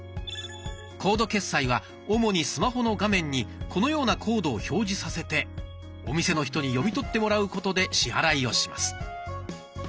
「コード決済」は主にスマホの画面にこのようなコードを表示させてお店の人に読み取ってもらうことで支払いをします。